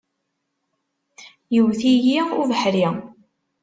Yewwet-iyi ubeḥri.